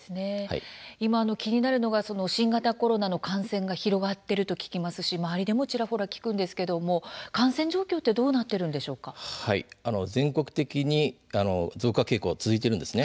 今、気になるのが新型コロナの感染が広がっていると聞きますし周りでもちらほら聞くんですけれども感染状況は全国的に増加傾向が続いているんです。